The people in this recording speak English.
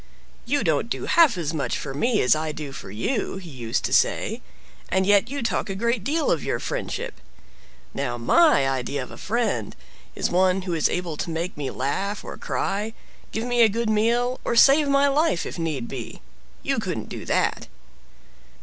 "You don't do half as much for me as I do for you," he used to say, "and yet you talk a great deal of your friendship. Now my idea of a friend is one who is able to make me laugh or cry, give me a good meal, or save my life if need be. You couldn't do that!"